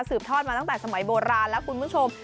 ทอดมาตั้งแต่สมัยโบราณแล้วคุณผู้ชม